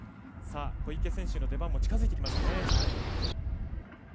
小池選手の出番も近づいてきました。